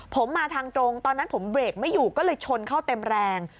ผมมาทางตรงตอนนั้นผมเบรกไม่อยู่ก็เลยชนเข้าเต็มแรง